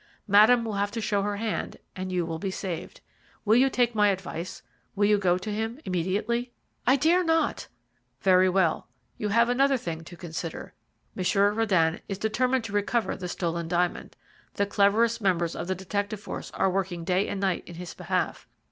Madame will have to show her hand, and you will be saved. Will you take my advice: will you go to him immediately?" "I dare not, I dare not." "Very well; you have another thing to consider. Monsieur Röden is determined to recover the stolen diamond. The cleverest members of the detective force are working day and night in his behalf.